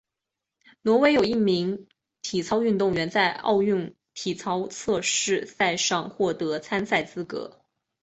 挪威有一名体操运动员在奥运体操测试赛上获得参赛资格。